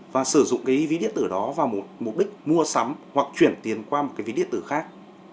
và sử dụng cái ví điện tử đó vào mục đích mua sắm hoặc chuyển tiền qua một cái ví điện tử khác